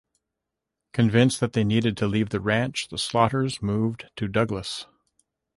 Convinced that they needed to leave the ranch, the Slaughters moved to Douglas.